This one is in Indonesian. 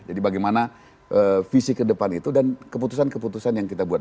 jadi bagaimana visi ke depan itu dan keputusan keputusan yang kita buat